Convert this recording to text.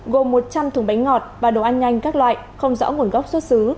gồm một trăm linh thùng bánh ngọt và đồ ăn nhanh các loại không rõ nguồn gốc xuất xứ